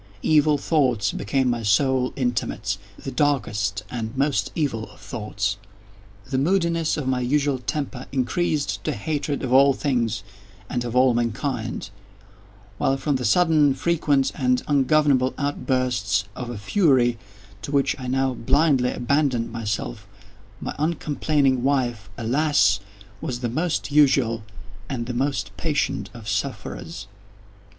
Evil thoughts became my sole intimates—the darkest and most evil of thoughts. The moodiness of my usual temper increased to hatred of all things and of all mankind; while, from the sudden, frequent, and ungovernable outbursts of a fury to which I now blindly abandoned myself, my uncomplaining wife, alas, was the most usual and the most patient of sufferers.